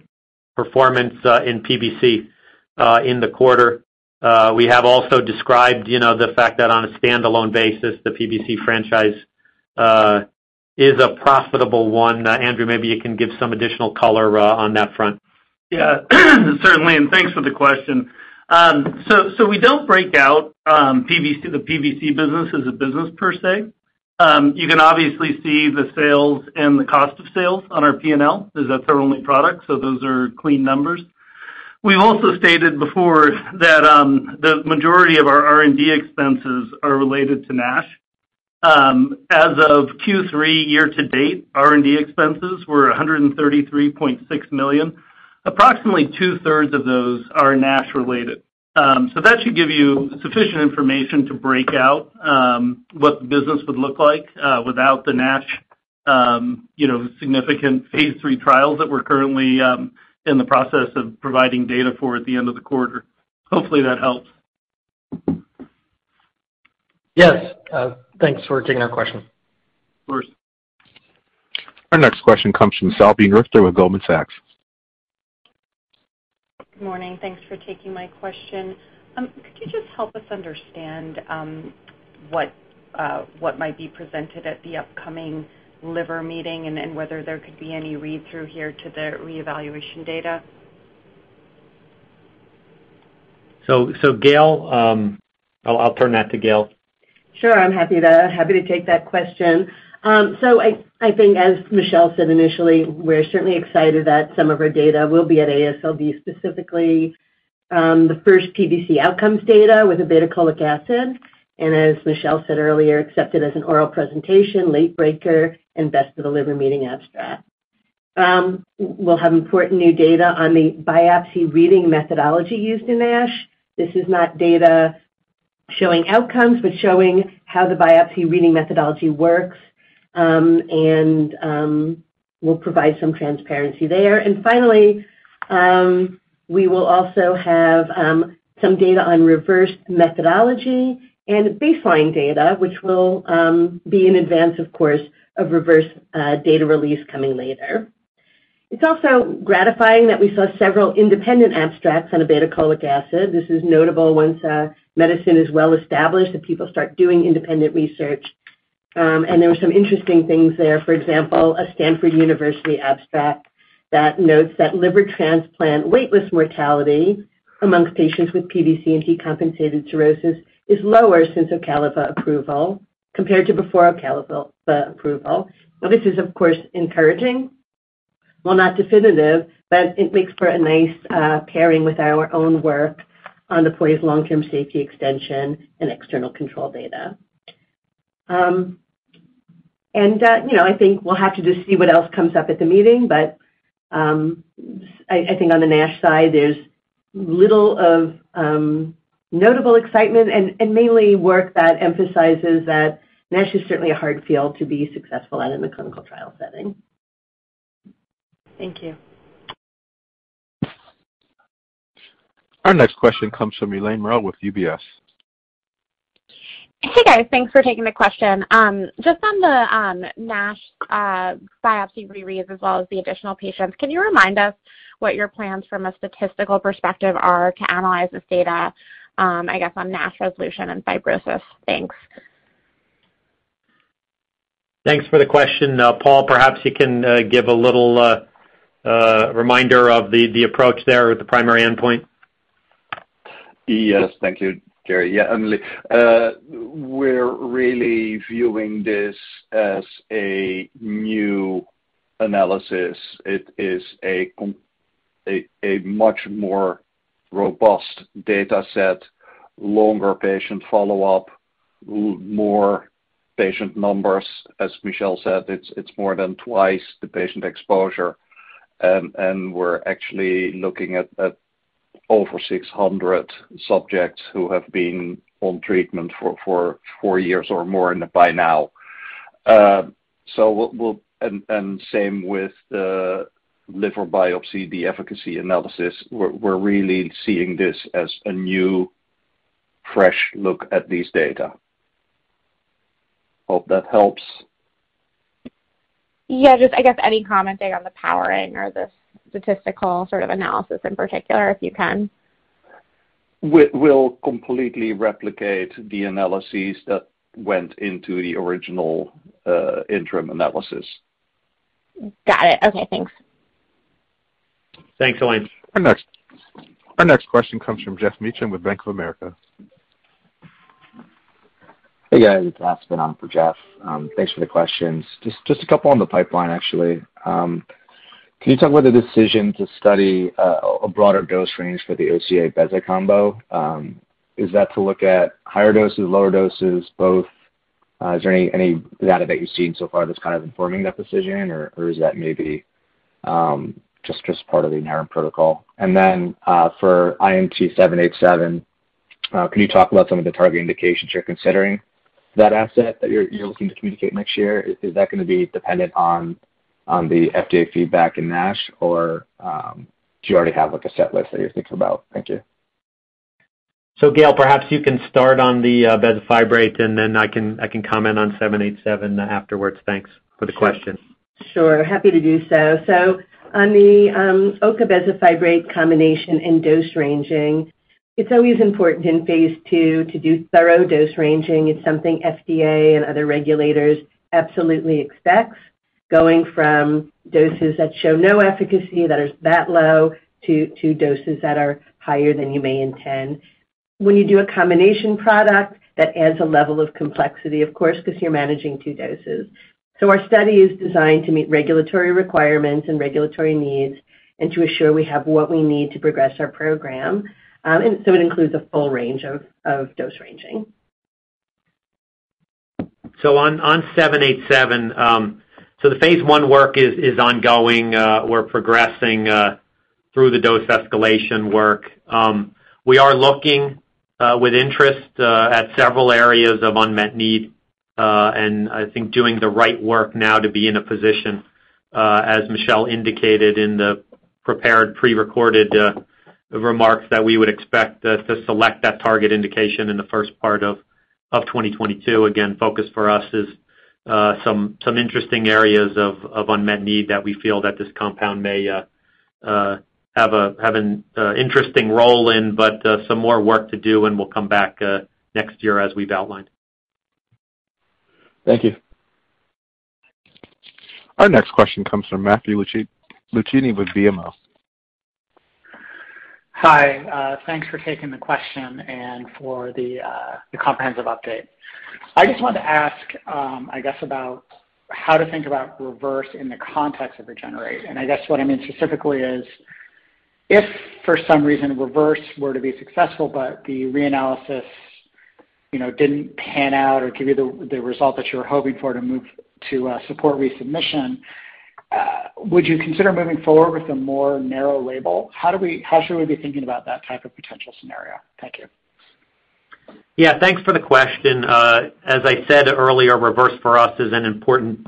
performance in PBC in the quarter. We have also described, you know, the fact that on a standalone basis, the PBC franchise is a profitable one. Andrew, maybe you can give some additional color on that front. Yeah. Certainly, and thanks for the question. We don't break out PBC, the PBC business as a business per se. You can obviously see the sales and the cost of sales on our P&L 'cause that's our only product, so those are clean numbers. We've also stated before that the majority of our R&D expenses are related to NASH. As of Q3 year to date, R&D expenses were $133.6 million. Approximately two-thirds of those are NASH related. That should give you sufficient information to break out what the business would look like without the NASH, you know, significant phase III trials that we're currently in the process of providing data for at the end of the quarter. Hopefully, that helps. Yes. Thanks for taking our question. Of course. Our next question comes from Salveen Richter with Goldman Sachs. Good morning. Thanks for taking my question. Could you just help us understand what might be presented at the upcoming liver meeting and whether there could be any read-through here to the reevaluation data? Gail, I'll turn that to Gail. Sure. I'm happy to take that question. I think as Michelle said initially, we're certainly excited that some of our data will be at AASLD, specifically the first PBC outcomes data with obeticholic acid. As Michelle said earlier, accepted as an oral presentation, late breaker and best of the liver meeting abstract. We'll have important new data on the biopsy reading methodology used in NASH. This is not data showing outcomes, but showing how the biopsy reading methodology works, and we'll provide some transparency there. Finally, we will also have some data on REVERSE methodology and baseline data, which will be in advance, of course, of REVERSE data release coming later. It's also gratifying that we saw several independent abstracts on obeticholic acid. This is notable once a medicine is well established and people start doing independent research. There were some interesting things there. For example, a Stanford University abstract that notes that liver transplant waitlist mortality among patients with PBC and decompensated cirrhosis is lower since Ocaliva approval compared to before Ocaliva approval. Now, this is, of course, encouraging. While not definitive, but it makes for a nice pairing with our own work on POISE's long-term safety extension and external control data. You know, I think we'll have to just see what else comes up at the meeting. I think on the NASH side, there's little of notable excitement and mainly work that emphasizes that NASH is certainly a hard field to be successful at in the clinical trial setting. Thank you. Our next question comes from Eliana Merle with UBS. Hey, guys. Thanks for taking the question. Just on the NASH biopsy rereads as well as the additional patients, can you remind us what your plans from a statistical perspective are to analyze this data, I guess, on NASH resolution and fibrosis? Thanks. Thanks for the question. Paul, perhaps you can give a little reminder of the approach there with the primary endpoint. Yes. Thank you, Jerry. Yeah, we're really viewing this as a new analysis. It is a much more robust data set, longer patient follow-up, more patient numbers. As Michelle said, it's more than twice the patient exposure. We're actually looking at over 600 subjects who have been on treatment for four years or more by now. Same with the liver biopsy, the efficacy analysis. We're really seeing this as a new, fresh look at these data. Hope that helps. Just, I guess, any comments on the powering or the statistical sort of analysis in particular, if you can. We'll completely replicate the analyses that went into the original interim analysis. Got it. Okay, thanks. Thanks, Eliana. Our next question comes from Geoff Meacham with Bank of America. Hey, guys. It's Aspen on for Geoff. Thanks for the questions. Just a couple on the pipeline, actually. Can you talk about the decision to study a broader dose range for the OCA/beza combo? Is that to look at higher doses, lower doses, both? Is there any data that you've seen so far that's kind of informing that decision or is that maybe just part of the inherent protocol? And then for INT-787, can you talk about some of the target indications you're considering that asset that you're looking to communicate next year? Is that gonna be dependent on the FDA feedback in NASH, or do you already have, like, a set list that you're thinking about? Thank you. Gail, perhaps you can start on the bezafibrate, and then I can comment on 787 afterwards. Thanks for the question. Sure. Happy to do so. On the OCA/bezafibrate combination in dose ranging, it's always important in phase II to do thorough dose ranging. It's something FDA and other regulators absolutely expect, going from doses that show no efficacy, that is, low to doses that are higher than you may intend. When you do a combination product, that adds a level of complexity, of course, because you're managing two doses. Our study is designed to meet regulatory requirements and regulatory needs and to assure we have what we need to progress our program. It includes a full range of dose ranging. On INT-787, the phase I work is ongoing. We're progressing through the dose escalation work. We are looking with interest at several areas of unmet need, and I think doing the right work now to be in a position, as Michelle indicated in the prepared pre-recorded remarks, that we would expect us to select that target indication in the first part of 2022. Focus for us is some interesting areas of unmet need that we feel that this compound may have an interesting role in, but some more work to do, and we'll come back next year as we've outlined. Thank you. Our next question comes from Matthew Luchini with BMO. Hi, thanks for taking the question and for the comprehensive update. I just wanted to ask, I guess about how to think about REVERSE in the context of REGENERATE. I guess what I mean specifically is if for some reason, REVERSE were to be successful, but the reanalysis, you know, didn't pan out or give you the result that you were hoping for to move to support resubmission, would you consider moving forward with a more narrow label? How should we be thinking about that type of potential scenario? Thank you. Yeah, thanks for the question. As I said earlier, REVERSE for us is an important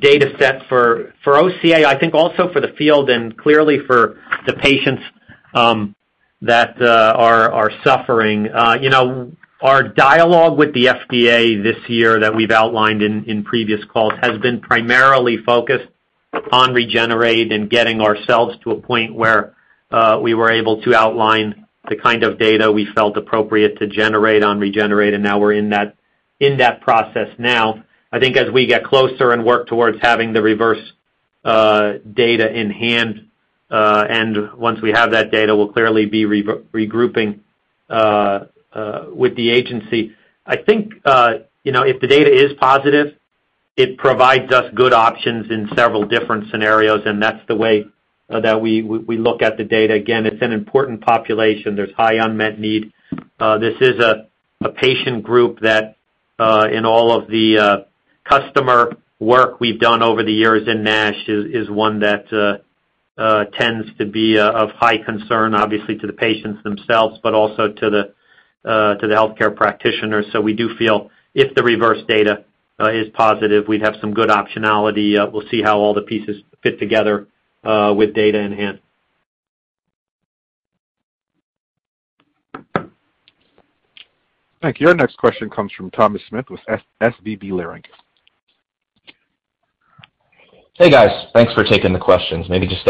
data set for OCA, I think also for the field and clearly for the patients that are suffering. You know, our dialogue with the FDA this year that we've outlined in previous calls has been primarily focused on REGENERATE and getting ourselves to a point where we were able to outline the kind of data we felt appropriate to generate on REGENERATE, and now we're in that process now. I think as we get closer and work towards having the REVERSE data in hand, and once we have that data, we'll clearly be regrouping with the agency. I think, you know, if the data is positive, it provides us good options in several different scenarios, and that's the way that we look at the data. Again, it's an important population. There's high unmet need. This is a patient group that in all of the customer work we've done over the years in NASH is one that tends to be of high concern, obviously to the patients themselves, but also to the healthcare practitioners. We do feel if the REVERSE data is positive, we'd have some good optionality. We'll see how all the pieces fit together with data in hand. Thank you. Our next question comes from Thomas Smith with SVB Leerink. Hey, guys. Thanks for taking the questions. Maybe just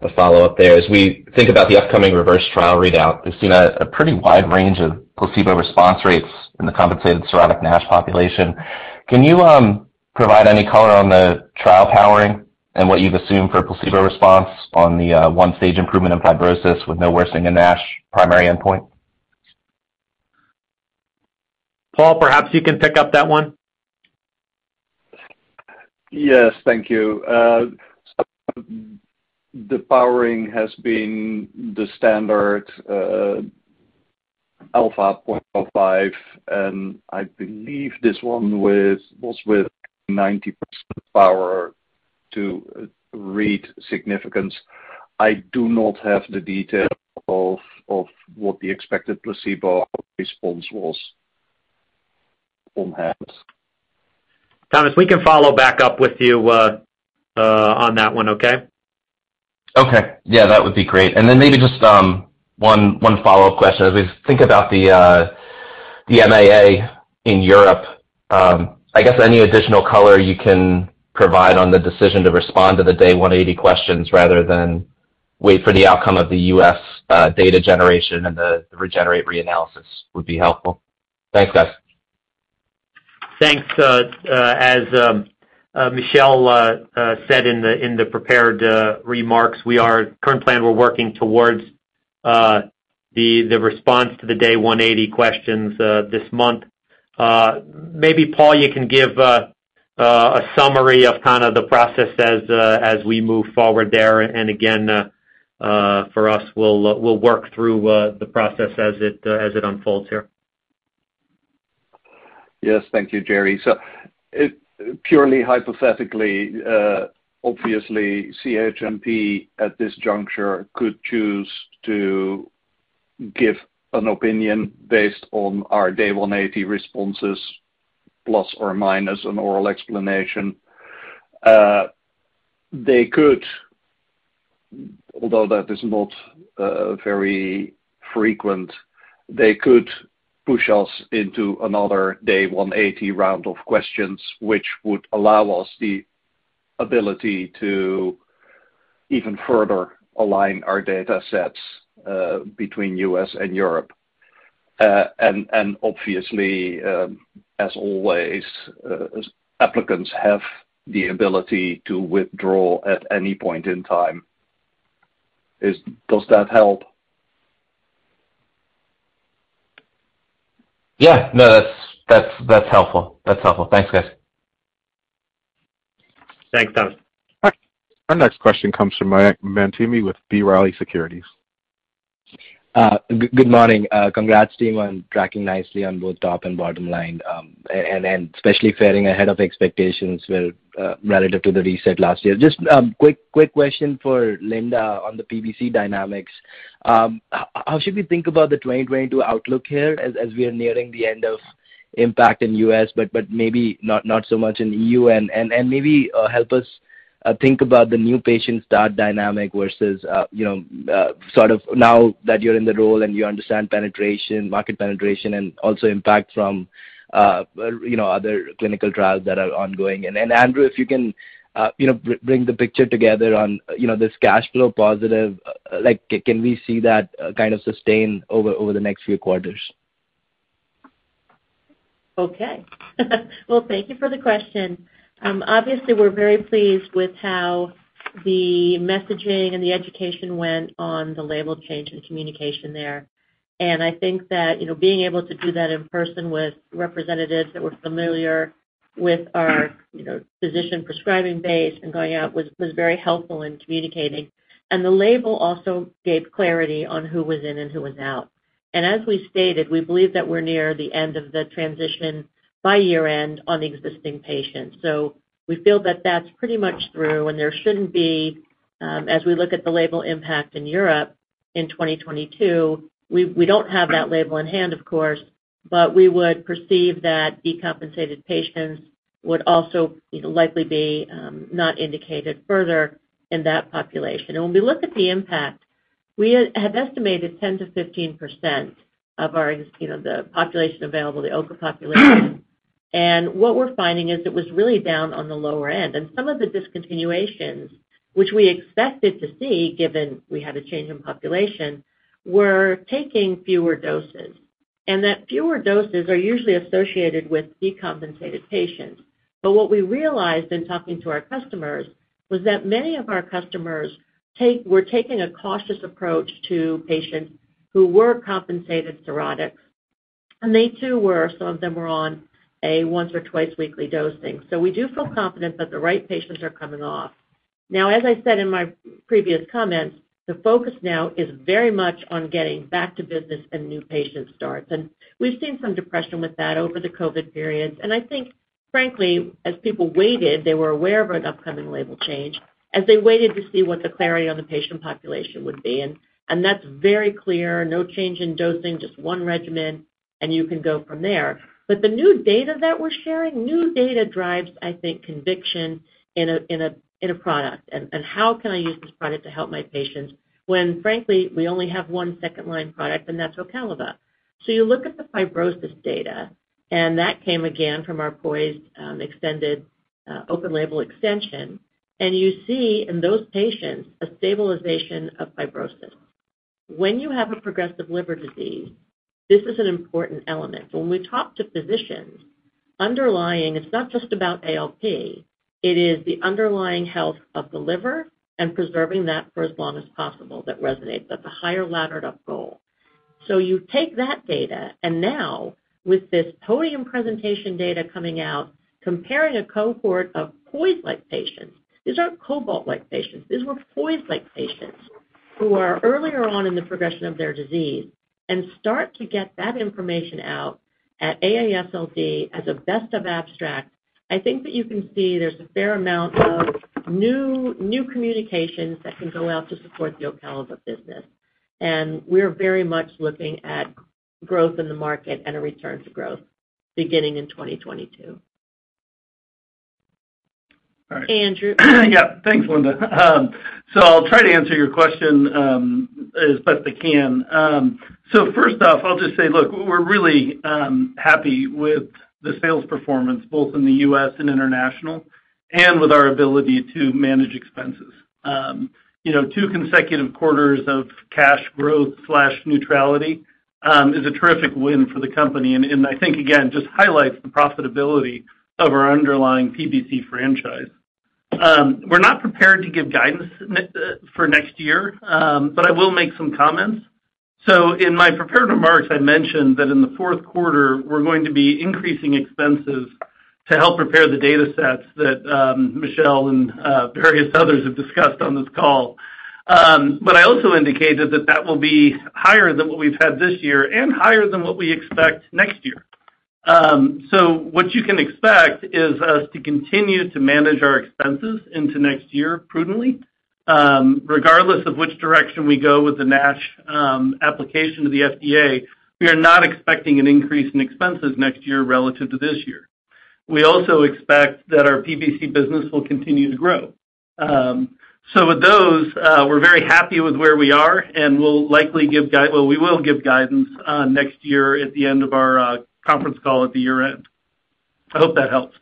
a follow-up there. As we think about the upcoming REVERSE trial readout, we've seen a pretty wide range of placebo response rates in the compensated cirrhotic NASH population. Can you provide any color on the trial powering and what you've assumed for placebo response on the one-stage improvement in fibrosis with no worsening in NASH primary endpoint? Paul, perhaps you can pick up that one. Yes, thank you. The powering has been the standard alpha 0.05, and I believe this one was with 90% power to read significance. I do not have the detail of what the expected placebo response was on hand. Thomas, we can follow back up with you, on that one, okay? Okay. Yeah, that would be great. Maybe just one follow-up question. As we think about the MAA in Europe, I guess any additional color you can provide on the decision to respond to the Day 180 questions rather than wait for the outcome of the U.S. data generation and the REGENERATE reanalysis would be helpful. Thanks, guys. Thanks. As Michelle said in the prepared remarks, current plan, we're working towards the response to the Day 180 questions this month. Maybe, Paul, you can give a summary of kind of the process as we move forward there. Again, for us, we'll work through the process as it unfolds here. Yes. Thank you, Jerry. Purely hypothetically, obviously, CHMP at this juncture could choose to give an opinion based on our Day 180 responses ± an oral explanation. They could, although that is not very frequent, push us into another Day 180 round of questions, which would allow us the ability to even further align our data sets between U.S. and Europe. And obviously, as always, applicants have the ability to withdraw at any point in time. Does that help? Yeah. No, that's helpful. That's helpful. Thanks, guys. Thanks, Thomas. Our next question comes from Mayank Mamtani with B. Riley Securities. Good morning. Congrats team on tracking nicely on both top and bottom line, and especially faring ahead of expectations with relative to the reset last year. Just quick question for Linda on the PBC dynamics. How should we think about the 2022 outlook here as we are nearing the end of impact in U.S. but maybe not so much in EU? And maybe help us think about the new patient start dynamic versus, you know, sort of now that you're in the role and you understand penetration, market penetration, and also impact from, you know, other clinical trials that are ongoing. Andrew, if you can, you know, bring the picture together on, you know, this cash flow positive. Like, can we see that kind of sustain over the next few quarters? Okay. Well, thank you for the question. Obviously, we're very pleased with how the messaging and the education went on the label change and communication there. I think that, you know, being able to do that in person with representatives that were familiar with our, you know, physician prescribing base and going out was very helpful in communicating. The label also gave clarity on who was in and who was out. As we stated, we believe that we're near the end of the transition by year-end on existing patients. We feel that that's pretty much through, and there shouldn't be, as we look at the label impact in Europe in 2022, we don't have that label in hand, of course, but we would perceive that decompensated patients would also, you know, likely be not indicated further in that population. When we look at the impact, we had estimated 10%-15% of our, you know, the population available, the OCA population. What we're finding is it was really down on the lower end. Some of the discontinuations, which we expected to see, given we had a change in population, were taking fewer doses. That fewer doses are usually associated with decompensated patients. What we realized in talking to our customers was that many of our customers were taking a cautious approach to patients who were compensated cirrhotic, and they too were, some of them on a once or twice weekly dosing. We do feel confident that the right patients are coming off. Now, as I said in my previous comments, the focus now is very much on getting back to business and new patient starts. We've seen some depression with that over the COVID periods. I think frankly, as people waited, they were aware of an upcoming label change as they waited to see what the clarity on the patient population would be. That's very clear. No change in dosing, just one regimen, and you can go from there. The new data that we're sharing, new data drives, I think, conviction in a product. How can I use this product to help my patients when frankly, we only have one second line product and that's Ocaliva. You look at the fibrosis data, and that came again from our POISE extended open label extension. You see in those patients a stabilization of fibrosis. When you have a progressive liver disease, this is an important element. When we talk to physicians, underlying, it's not just about ALP, it is the underlying health of the liver and preserving that for as long as possible that resonates. That's a higher laddered up goal. You take that data, and now with this podium presentation data coming out, comparing a cohort of POISE-like patients, these aren't COBALT-like patients. These were POISE-like patients who are earlier on in the progression of their disease and start to get that information out at AASLD as a best of abstract. I think that you can see there's a fair amount of new communications that can go out to support the Ocaliva business. We're very much looking at growth in the market and a return to growth beginning in 2022. All right. Andrew? Thanks, Linda. I'll try to answer your question as best I can. First off, I'll just say, look, we're really happy with the sales performance both in the U.S. and international, and with our ability to manage expenses. You know, two consecutive quarters of cash growth/neutrality is a terrific win for the company. I think again, just highlights the profitability of our underlying PBC franchise. We're not prepared to give guidance, not for next year, but I will make some comments. In my prepared remarks, I mentioned that in the fourth quarter, we're going to be increasing expenses to help prepare the data sets that Michelle and various others have discussed on this call. I also indicated that that will be higher than what we've had this year and higher than what we expect next year. What you can expect is us to continue to manage our expenses into next year prudently. Regardless of which direction we go with the NASH application to the FDA, we are not expecting an increase in expenses next year relative to this year. We also expect that our PBC business will continue to grow. With those, we're very happy with where we are, and we will give guidance next year at the end of our conference call at the year-end. I hope that helps.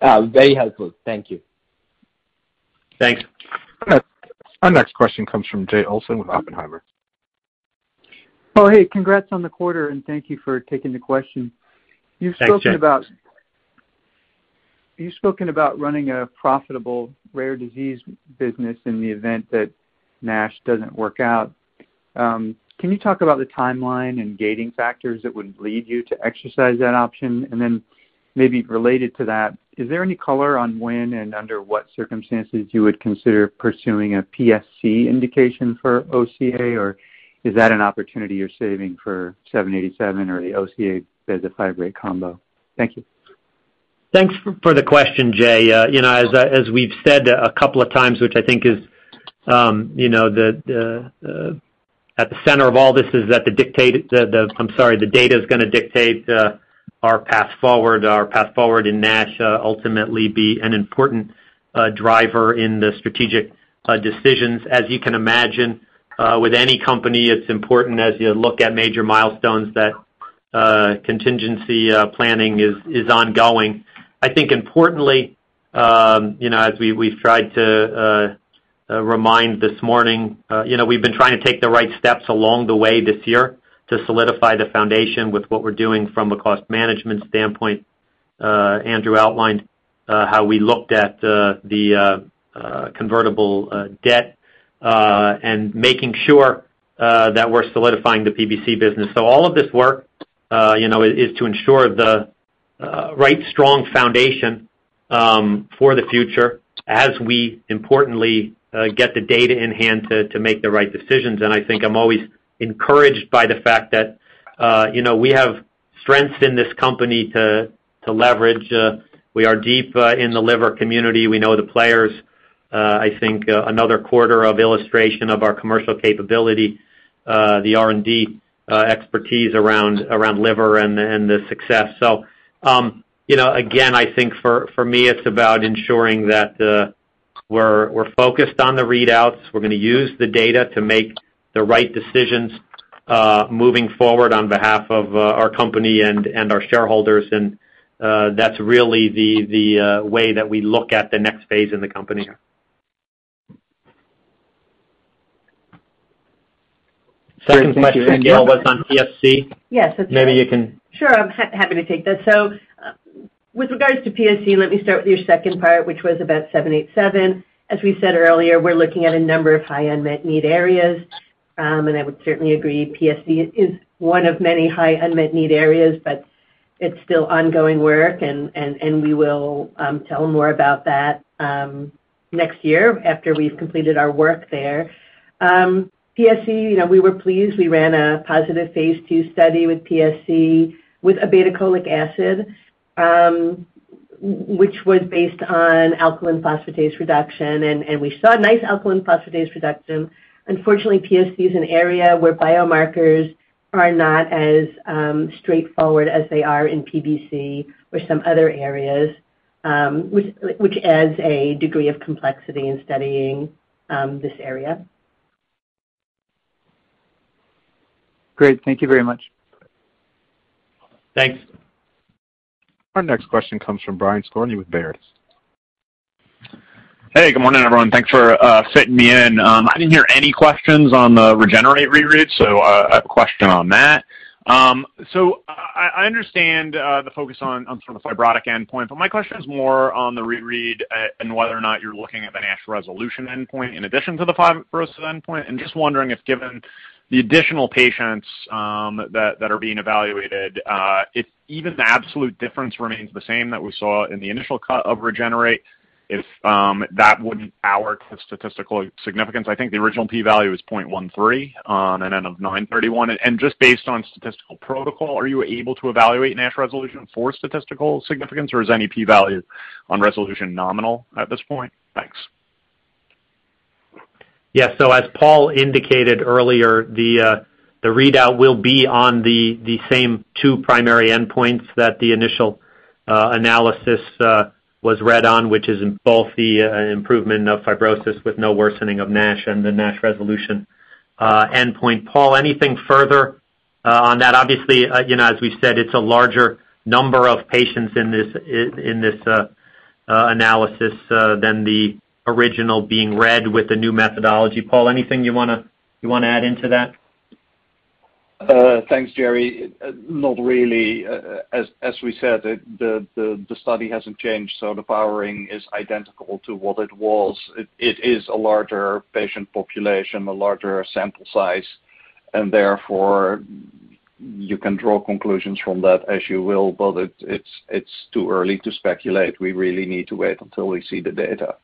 Very helpful. Thank you. Thanks. Our next question comes from Jay Olson with Oppenheimer. Oh, hey, congrats on the quarter, and thank you for taking the question. Thanks, Jay. You've spoken about running a profitable rare disease business in the event that NASH doesn't work out. Can you talk about the timeline and gating factors that would lead you to exercise that option? Maybe related to that, is there any color on when and under what circumstances you would consider pursuing a PSC indication for OCA? Is that an opportunity you're saving for 787 or the OCA bezafibrate combo? Thank you. Thanks for the question, Jay. You know, as we've said a couple of times, which I think is You know, at the center of all this is that the data is gonna dictate our path forward in NASH, ultimately be an important driver in the strategic decisions. As you can imagine, with any company, it's important as you look at major milestones that contingency planning is ongoing. I think importantly, you know, as we've tried to remind this morning, you know, we've been trying to take the right steps along the way this year to solidify the foundation with what we're doing from a cost management standpoint. Andrew outlined how we looked at the convertible debt and making sure that we're solidifying the PBC business. All of this work, you know, is to ensure the right strong foundation for the future as we importantly get the data in hand to make the right decisions. I think I'm always encouraged by the fact that, you know, we have strengths in this company to leverage. We are deep in the liver community. We know the players. I think another quarter of illustration of our commercial capability, the R&D expertise around liver and the success. You know, again, I think for me, it's about ensuring that we're focused on the readouts. We're gonna use the data to make the right decisions moving forward on behalf of our company and our shareholders. That's really the way that we look at the next phase in the company. Second question, Gail, was on PSC. Yes, that's right. Maybe you can. Sure. I'm happy to take that. With regards to PSC, let me start with your second part, which was about 787. As we said earlier, we're looking at a number of high unmet need areas. I would certainly agree PSC is one of many high unmet need areas, but it's still ongoing work and we will tell more about that next year after we've completed our work there. PSC, we were pleased we ran a positive phase II study with PSC with obeticholic acid, which was based on alkaline phosphatase reduction, and we saw a nice alkaline phosphatase reduction. Unfortunately, PSC is an area where biomarkers are not as straightforward as they are in PBC or some other areas, which adds a degree of complexity in studying this area. Great. Thank you very much. Thanks. Our next question comes from Brian Skorney with Baird. Hey, good morning, everyone. Thanks for fitting me in. I didn't hear any questions on the REGENERATE reread, so I have a question on that. I understand the focus on sort of the fibrotic endpoint, but my question is more on the reread and whether or not you're looking at the NASH resolution endpoint in addition to the fibrosis endpoint. Just wondering if given the additional patients that are being evaluated, if even the absolute difference remains the same that we saw in the initial cut of REGENERATE, if that wouldn't our statistical significance. I think the original p-value is 0.13 on an N of 931. Just based on statistical protocol, are you able to evaluate NASH resolution for statistical significance, or is any p-value on resolution nominal at this point? Thanks. Yes. As Paul indicated earlier, the readout will be on the same two primary endpoints that the initial analysis was read on, which is in both the improvement of fibrosis with no worsening of NASH and the NASH resolution endpoint. Paul, anything further on that? Obviously, you know, as we've said, it's a larger number of patients in this analysis than the original being read with the new methodology. Paul, anything you wanna add into that? Thanks, Jerry. Not really. As we said, the study hasn't changed, so the powering is identical to what it was. It is a larger patient population, a larger sample size, and therefore you can draw conclusions from that as you will. But it's too early to speculate. We really need to wait until we see the data.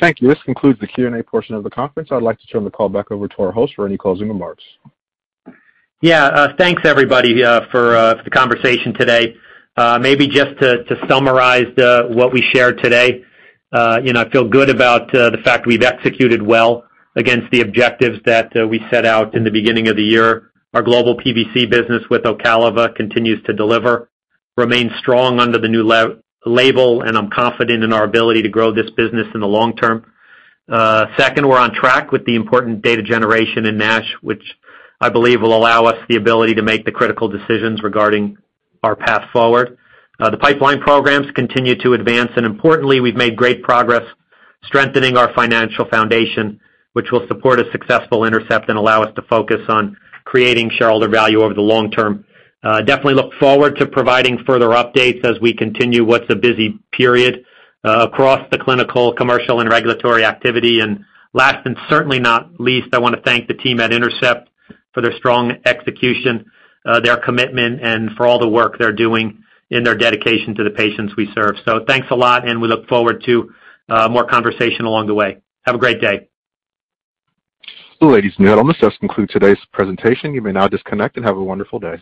Thank you. This concludes the Q&A portion of the conference. I'd like to turn the call back over to our host for any closing remarks. Thanks, everybody, for the conversation today. Maybe just to summarize what we shared today. You know, I feel good about the fact we've executed well against the objectives that we set out in the beginning of the year. Our global PBC business with Ocaliva continues to deliver, remain strong under the new label, and I'm confident in our ability to grow this business in the long term. Second, we're on track with the important data generation in NASH, which I believe will allow us the ability to make the critical decisions regarding our path forward. The pipeline programs continue to advance, and importantly, we've made great progress strengthening our financial foundation, which will support a successful Intercept and allow us to focus on creating shareholder value over the long term. Definitely look forward to providing further updates as we continue what's a busy period across the clinical, commercial and regulatory activity. Last, and certainly not least, I wanna thank the team at Intercept for their strong execution, their commitment and for all the work they're doing in their dedication to the patients we serve. Thanks a lot, and we look forward to more conversation along the way. Have a great day. Ladies and gentlemen, this does conclude today's presentation. You may now disconnect and have a wonderful day.